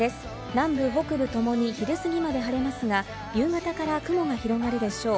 南部北部ともに昼過ぎまで晴れますが、夕方から雲が広がるでしょう。